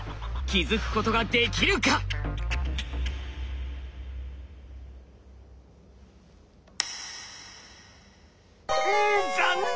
気付くことができるか⁉ん残念！